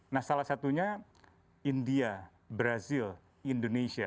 nah salah satunya india brazil indonesia